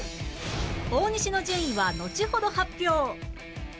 大西の順位はのちほど発表